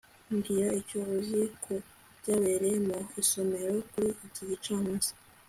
mbwira icyo uzi ku byabereye mu isomero kuri iki gicamunsi